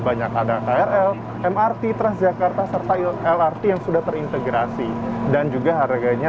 banyak ada krl mrt transjakarta serta lrt yang sudah terintegrasi dan juga harganya